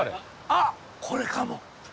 あっこれかも。